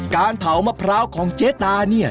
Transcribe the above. การเผามะพร้าวของเจ๊ตาเนี่ย